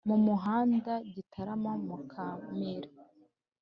Mu muhanda gitarama mukamira